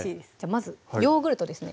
まずヨーグルトですね